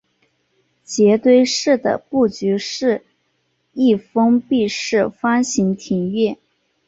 杰堆寺的布局是一封闭式方形庭院。